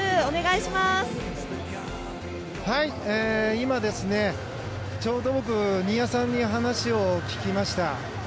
今、ちょうど僕新谷さんに話を聞きました。